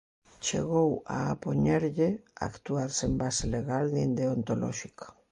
Chegou a apoñerlle actuar sen base legal nin deontolóxica.